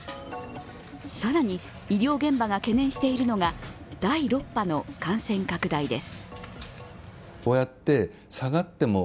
更に医療現場が懸念しているのが第６波の感染拡大です。